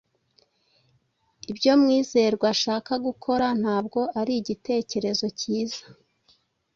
Ibyo Mwizerwa ashaka gukora ntabwo ari igitekerezo cyiza.